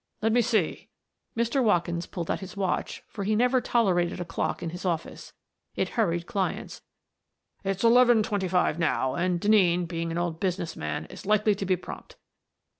Let me see "— Mr. Watkins pulled out his watch, for he never toler ated a clock in his office: it hurried clients — "it's eleven twenty five now, and Denneen, being an old business man, is likely to be prompt.